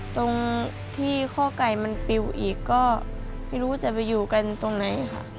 ตรงที่ข้อไก่มันปิวอีกก็ไม่รู้จะไปอยู่กันตรงไหนค่ะ